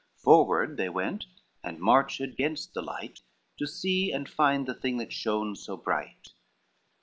Forward they went and marched against the light, To see and find the thing that shone so bright.